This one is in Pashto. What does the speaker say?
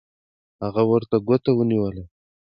هغه ورته ګوته ونیوله